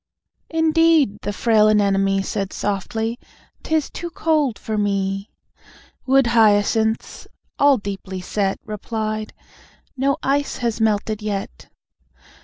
"Indeed," the frail Anemone Said softly, "'tis too cold for me." Wood Hyacinths, all deeply set, Replied: "No ice has melted yet."